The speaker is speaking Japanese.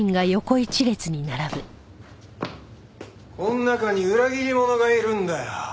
この中に裏切り者がいるんだよ。